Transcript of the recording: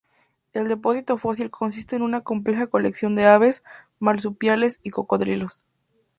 El depósito fósil consiste en una compleja colección de aves, marsupiales y cocodrilos.